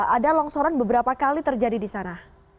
ada longsoran beberapa kali terjadi di sana